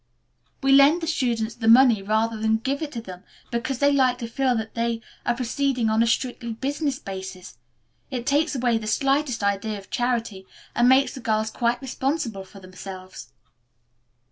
"We lend the students the money rather than give it to them, because they like to feel that they are proceeding on a strictly business basis. It takes away the slightest idea of charity and makes the girls quite responsible for themselves."